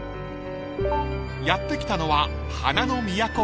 ［やって来たのは］